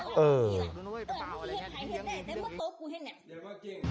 เออพี่เห็นใครเห็นได้แต่ไม่ตบกูเห็นอ่ะ